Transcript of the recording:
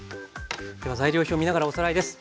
では材料表を見ながらおさらいです。